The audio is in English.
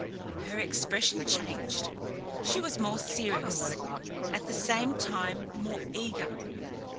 Her expression changed. She was more serious, at the same time more eager.